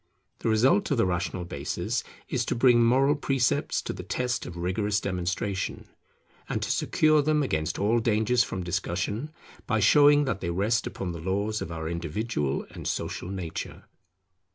The result of the rational basis is to bring moral precepts to the test of rigorous demonstration, and to secure them against all danger from discussion, by showing that they rest upon the laws of our individual and social nature.